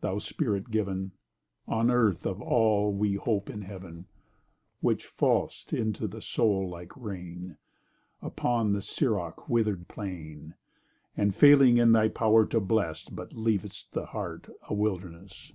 thou spirit given, On Earth, of all we hope in Heaven! Which fall'st into the soul like rain Upon the Siroc wither'd plain, And failing in thy power to bless But leav'st the heart a wilderness!